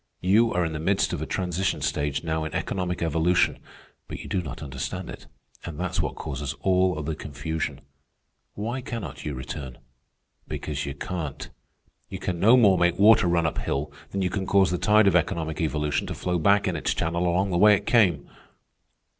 You are in the midst of a transition stage now in economic evolution, but you do not understand it, and that's what causes all the confusion. Why cannot you return? Because you can't. You can no more make water run up hill than can you cause the tide of economic evolution to flow back in its channel along the way it came.